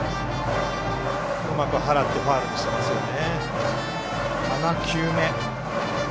うまくはらってファウルにしてますよね。